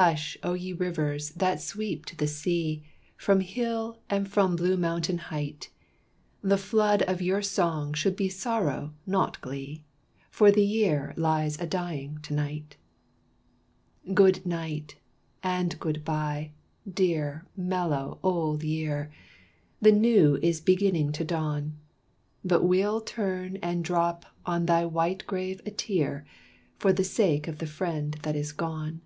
Hush, O ye rivers that sweep to the sea, From hill and from blue mountain height; The flood of your song should be sorrow, not glee, For the year lies a dying to night. Good night, and good bye, dear, mellow, old year, The new is beginning to dawn. But we'll turn and drop on thy white grave a tear, For the sake of the friend that is gone.